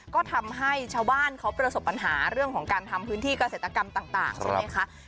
ก็ทำให้ชาวบ้านเขาประสบปัญหาเรื่องของการทำพื้นที่เกษตรกรรมต่างใช่ไหมคะ